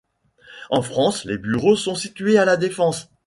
En France, les bureaux sont situés à la Défense.